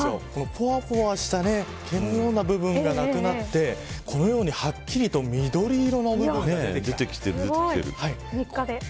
ぽわぽわした毛のような部分がなくなってこのように、はっきりと緑色の部分が出てきました。